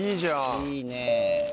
いいね。